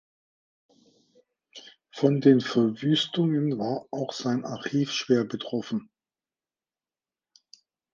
Von den Verwüstungen war auch sein Archiv schwer betroffen.